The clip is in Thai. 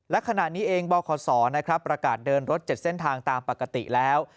และขณะนี้เองบขศประกาศเดินรถ๗เส้นทางตามปกติแล้ว